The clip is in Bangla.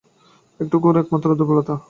একটা কুকুরের একমাত্র দুর্বলতা।